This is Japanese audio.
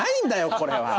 これは。